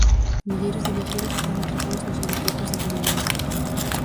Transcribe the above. Milleiros de viaxeiros están atrapados nos aeroportos de todo o mundo.